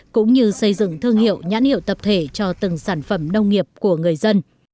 cũng như xây dựng thương hiệu nhãn hiệu tập thể cho từng sản phẩm nông nghiệp của người dân